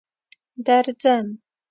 درځم.